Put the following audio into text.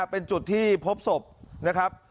เป็นจุดที่พบศพนะครับ